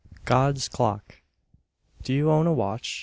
"_ GOD'S CLOCK Do you own a watch?